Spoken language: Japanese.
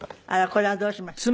これはどうしました？